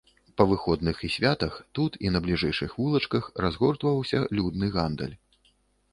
Па выходных і святах тут і на бліжэйшых вулачках разгортваўся людны гандаль.